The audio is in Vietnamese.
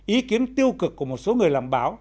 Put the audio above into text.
ý kiến tiêu cực của một số người làm báo